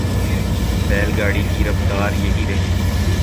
بیل گاڑی کی رفتار یہی رہے گی۔